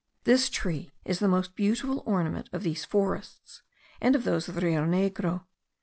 This tree is the most beautiful ornament of these forests, and of those of the Rio Negro.